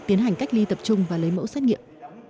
tiến hành cách ly tập trung và lấy mẫu xét nghiệm